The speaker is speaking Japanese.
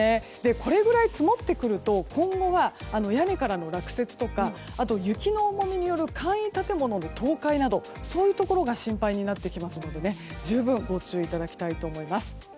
これくらい積もってくると今後は屋根からの落雪とか雪の重みによる簡易建物の倒壊などそういったところが心配になってきますので十分ご注意いただきたいと思います。